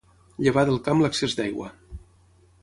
Llevar del camp l'excés d'aigua.